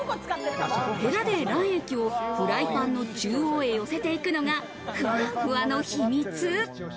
ヘラで卵液をフライパンの中央へ寄せていくのがふわふわの秘密。